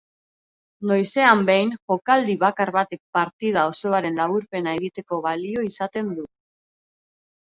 Noizean behin jokaldi bakar batek partida osoaren laburpena egiteko balio izaten du.